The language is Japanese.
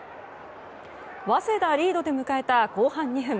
早稲田リードで迎えた後半２分。